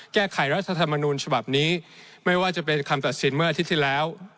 แก้ไขรัฐธรรมนูญฉบับนี้ไม่ว่าจะเป็นคำตัดสินเมื่ออาทิตย์ที่แล้ว